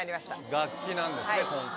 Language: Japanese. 楽器なんですね、今回。